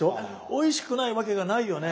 おいしくないわけがないよね。